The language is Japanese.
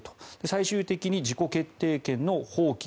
最終的に自己決定権の放棄。